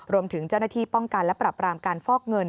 รวมถึงเจ้าหน้าที่ป้องกันและปรับรามการฟอกเงิน